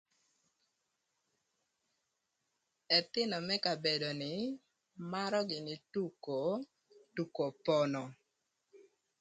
Ëthïnö më kabedo ni marö gïnï tuko, tuko pono.